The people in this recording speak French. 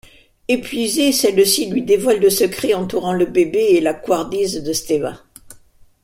Épuisée, celle-ci lui dévoile le secret entourant le bébé et la couardise de Števa.